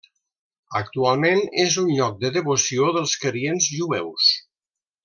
Actualment és un lloc de devoció dels creients jueus.